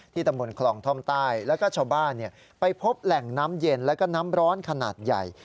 ตำบลคลองท่อมใต้แล้วก็ชาวบ้านไปพบแหล่งน้ำเย็นแล้วก็น้ำร้อนขนาดใหญ่